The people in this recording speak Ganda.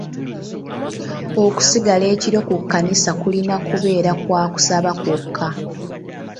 Okusigala ekiro ku kkanisa kulina kubeera kwa kusaba kwokka.